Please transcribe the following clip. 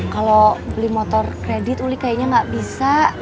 kalo beli motor kredit wuli kayaknya gak bisa